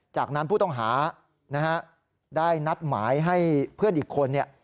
จากนั้นผู้ต้องหาได้นัดหมายให้เพื่อนอีกคน